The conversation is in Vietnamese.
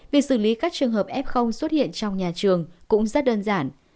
việc xử lý các trường hợp f xuất hiện trong nhà trường cũng rất đơn giản